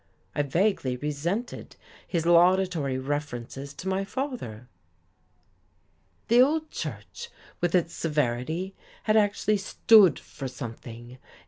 I vaguely resented his laudatory references to my father. The old church, with its severity, had actually stood for something.